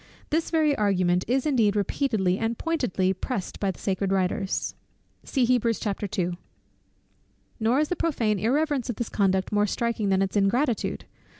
This very argument is indeed repeatedly and pointedly pressed by the sacred writers. Nor is the prophane irreverence of this conduct more striking than its ingratitude.